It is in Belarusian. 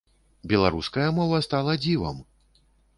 Беларуская мова стала дзівам!